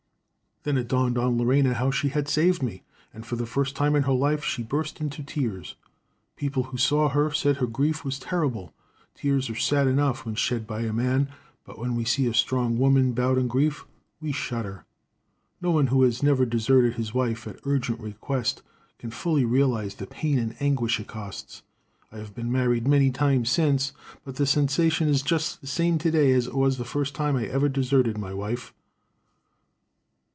"Then it dawned on Lorena how she had saved me, and for the first time in her life she burst into tears. People who saw her said her grief was terrible. Tears are sad enough when shed by a man, but when we see a strong woman bowed in grief, we shudder. "No one who has never deserted his wife at her urgent request can fully realize the pain and anguish it costs. I have been married many times since, but the sensation is just the same to day as it was the first time I ever deserted my wife.